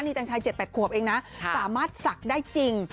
นี่แต่งไทย๗๘ขวบเองนะสามารถศักดิ์ได้จริง